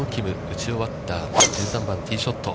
打ち終わった１３番、ティーショット。